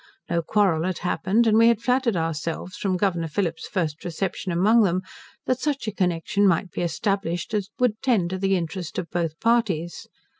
No quarrel had happened, and we had flattered ourselves, from Governor Phillip's first reception among them, that such a connection might be established as would tend to the interest of both parties.